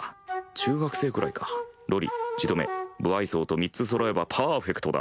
中学生くらいかロリジト目無愛想と３つそろえばパーフェクトだ。